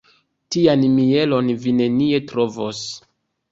Tian mielon vi nenie trovos.